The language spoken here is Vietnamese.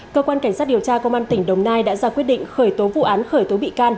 cơ quan cảnh sát điều tra công an tỉnh đồng nai đã ra quyết định khởi tố vụ án khởi tố bị can